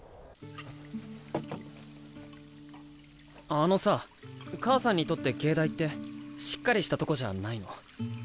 あのさ母さんにとって藝大ってしっかりしたとこじゃないの？